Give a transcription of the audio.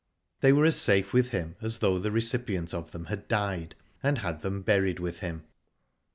They were as safe with him as though the recipient of them had died, and had them buried with him.